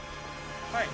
はい。